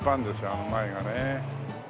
あの前がね。